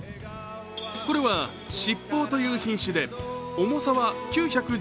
これは七宝という品種で重さは９１９ｇ。